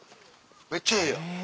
めっちゃええやん。